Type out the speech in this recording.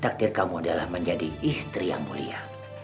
takdir kamu adalah menjadi istri yang mulia